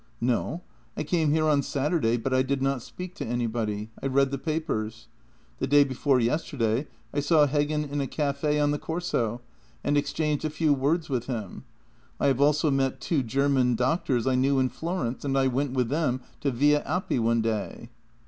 "" No. I came here on Saturday, but I did not speak to anybody. I read the papers. The day before yesterday I saw Heggen in a café on the Corso and exchanged a few words with him. I have also met two German doctors I knew in Florence, and I went with them to Via Appi one day."